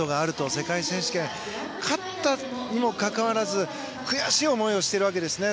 世界選手権で勝ったにもかかわらず悔しい思いをしているわけですね。